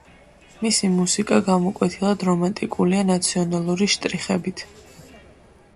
მისი მუსიკა გამოკვეთილად რომანტიკულია ნაციონალური შტრიხებით.